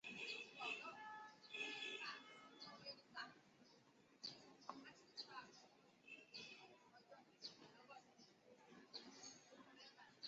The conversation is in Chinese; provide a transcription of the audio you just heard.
这是核膜被认为属于内膜系统的原因。